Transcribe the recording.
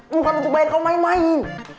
bukan untuk bayar kau main main